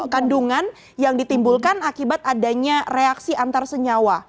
kandungan yang ditimbulkan akibat adanya reaksi antar senyawa